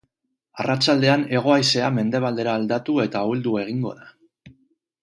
Arratsaldean hego-haizea mendebaldera aldatu eta ahuldu egingo da.